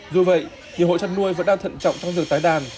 dù vậy nhiều hộ chăn nuôi vẫn đang thận trọng trong việc tái đàn